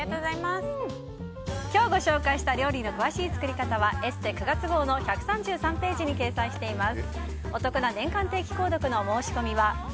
今日ご紹介した料理の詳しい作り方は「ＥＳＳＥ」９月号１３３ページに掲載しています。